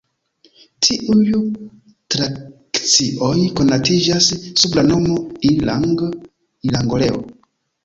Tiuj frakcioj konatiĝas sub la nomo Ilang-Ilangoleo.